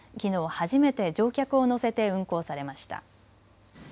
初めて乗客を乗せて運航されました。